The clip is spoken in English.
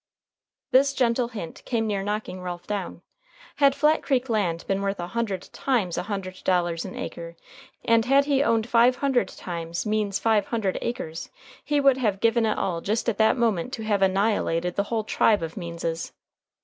This gentle hint came near knocking Ralph down. Had Flat Creek land been worth a hundred times a hundred dollars an acre, and had he owned five hundred times Means's five hundred acres, he would have given it all just at that moment to have annihilated the whole tribe of Meanses.